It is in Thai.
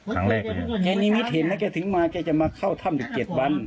แกนิมิตรเห็นน่ะแกถึงมาแกจะมาเข้าถ้ำถึง๗วัน